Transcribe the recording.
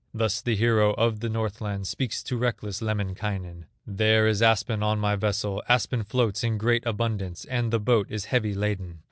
Thus the hero of the Northland Speaks to reckless Lemminkainen: "There is aspen on my vessel, Aspen floats in great abundance, And the boat is heavy laden.